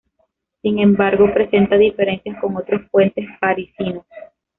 Sin embargo, presenta diferencias con otros puentes parisinos.